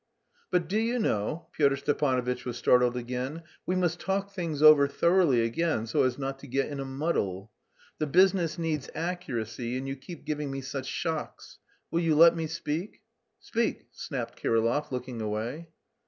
"But do you know" (Pyotr Stepanovitch was startled again) "we must talk things over thoroughly again so as not to get in a muddle. The business needs accuracy, and you keep giving me such shocks. Will you let me speak?" "Speak," snapped Kirillov, looking away.